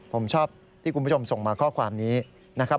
ผมชอบที่คุณผู้ชมส่งมาข้อความนี้นะครับ